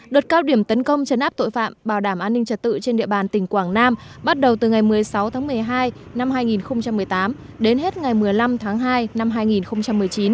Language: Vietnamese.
đợt cao điểm tấn công chấn áp tội phạm bảo đảm an ninh trật tự trên địa bàn tỉnh quảng nam bắt đầu từ ngày một mươi sáu tháng một mươi hai năm hai nghìn một mươi tám đến hết ngày một mươi năm tháng hai năm hai nghìn một mươi chín